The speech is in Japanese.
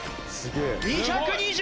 ２２０！